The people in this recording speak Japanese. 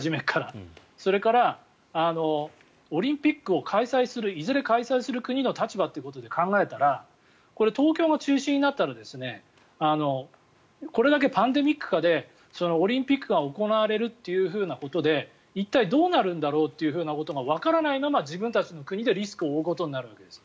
それから、オリンピックをいずれ開催する国の立場ということで考えたらこれは東京が中止になったらこれだけパンデミック下でオリンピックが行われるということで一体、どうなるんだろうということがわからないのが自分たちの国でリスクを負うことになるんです。